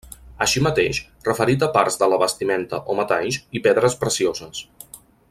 Així mateix, referit a parts de la vestimenta o metalls i pedres precioses.